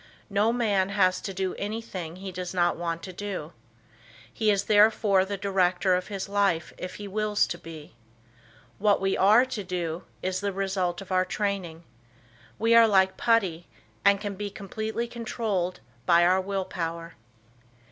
No man has to do anything he does not want to do. He is therefore the director of his life if he wills to be. What we are to do, is the result of our training. We are like putty, and can be completely controlled by our will power.